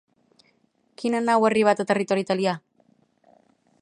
Quina nau ha arribat a territori italià?